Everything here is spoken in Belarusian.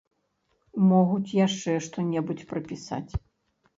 Могуць яшчэ што-небудзь прыпісаць.